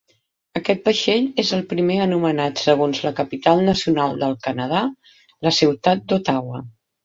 Aquest vaixell és el primer anomenat segons la capital nacional del Canadà, la ciutat d'Ottawa.